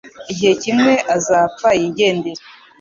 Igihe kimwe azapfa yigendere